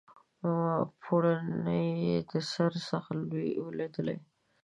پوړنی یې د سر څخه ولوېدی